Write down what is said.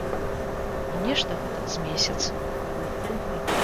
І нешта гэтак з месяц.